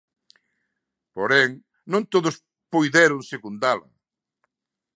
Porén, non todos puideron secundala.